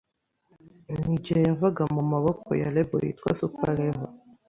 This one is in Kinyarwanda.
ni igihe yavaga mu maboko ya Label yitwa Super Level,